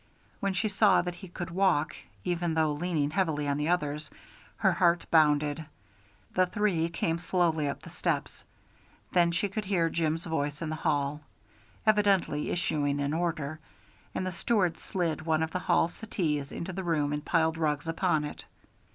When she saw that he could walk, even though leaning heavily on the others, her heart bounded. The three came slowly up the steps. Then she could hear Jim's voice in the hall, evidently issuing an order, and the steward slid one of the hall settees into the room and piled rugs upon it.